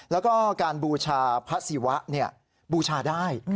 แล้วก็การบูชาพระศิวะบูชาได้